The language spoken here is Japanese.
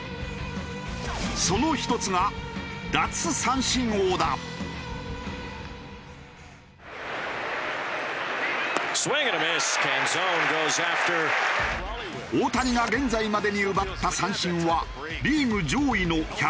その一つが大谷が現在までに奪った三振はリーグ上位の１６５個。